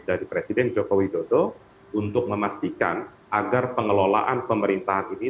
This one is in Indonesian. dari presiden joko widodo untuk memastikan agar pengelolaan pemerintahan ini